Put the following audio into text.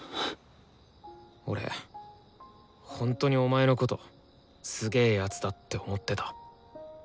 俺ほんとにお前のことすげ奴だって思ってた。